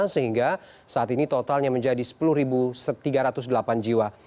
sehingga saat ini totalnya menjadi sepuluh tiga ratus delapan jiwa